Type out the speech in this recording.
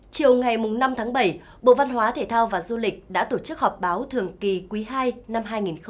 chiều ngày năm tháng bảy bộ văn hóa thể thao và du lịch đã tổ chức họp báo thường kỳ quý hai năm hai nghìn một mươi tám